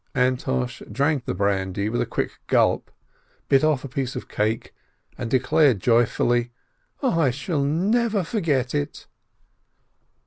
Antosh drank the brandy with a quick gulp, bit off a piece of cake, and declared joyfully, "I shall never forget it